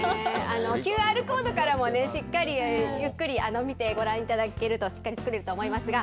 ＱＲコードからもね、しっかりゆっくり見てごらんいただけるとしっかり作れると思いますが。